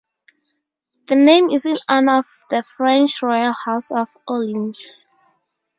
The name is in honor of the French Royal House of Orleans.